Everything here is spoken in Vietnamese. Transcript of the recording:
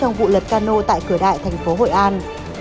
trong vụ lật cano tại cửa đại tp hội an